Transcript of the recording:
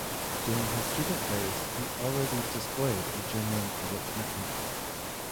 During his student days he already displayed a genuine public commitment.